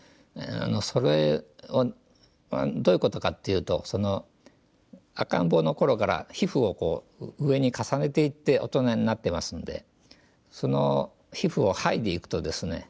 それをどういうことかっていうと赤ん坊の頃から皮膚を上に重ねていって大人になってますんでその皮膚を剥いでいくとですね